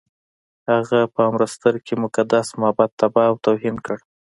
هغه په امرتسر کې مقدس معبد تباه او توهین کړ.